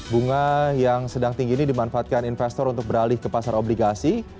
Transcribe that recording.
bunga yang sedang tinggi ini dimanfaatkan investor untuk beralih ke pasar obligasi